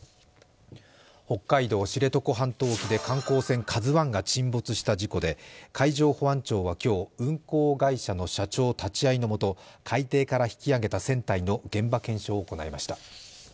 北海道・知床半島沖で観光船「ＫＡＺＵⅠ」が沈没した事故で、海上保安庁は今日、運航会社の社長立ち会いのもと海底から引き揚げた船体の現場検証を行いました。